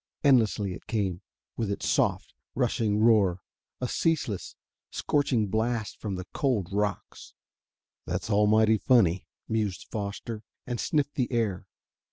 Endlessly it came, with its soft, rushing roar, a ceaseless, scorching blast from the cold rocks. "That's almighty funny," mused Foster, and sniffed the air.